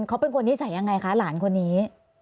เขาเป็นคนนิสัยยังไงคะหลานคนนี้